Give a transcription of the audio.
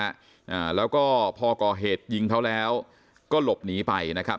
อ่าแล้วก็พอก่อเหตุยิงเขาแล้วก็หลบหนีไปนะครับ